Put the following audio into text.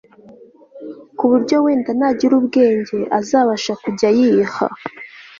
kuburyo wenda nagira ubwenge azabasha kujya ayiha